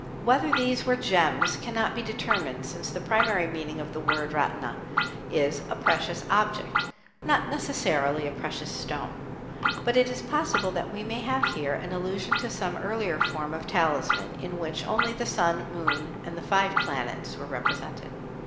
Whether these were gems cannot be determined, since the primary meaning of the word ratna is "a precious object," not necessarily a precious stone; but it is possible that we may have here an allusion to some earlier form of talisman, in which only the Sun, Moon, and the five planets were represented.